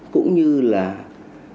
cũng như là các doanh nghiệp bản tình